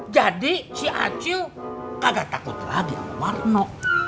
jadi si acil kagak takut lagi sama warno